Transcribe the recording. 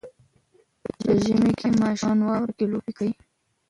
په ژمي کې ماشومان واوره کې لوبې کوي.